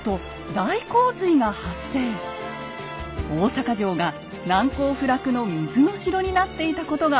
大坂城が難攻不落の水の城になっていたことが分かったのです。